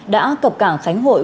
đã cập cảng khánh hội